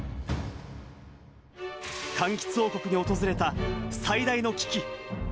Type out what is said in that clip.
かんきつ王国に訪れた最大の危機。